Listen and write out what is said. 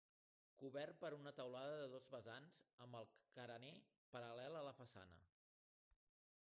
Cobert per una teulada de dos vessants amb el carener paral·lel a la façana.